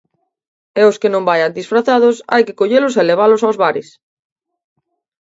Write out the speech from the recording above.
E os que non vaian disfrazados, hai que collelos e levalos aos bares.